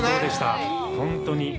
本当に。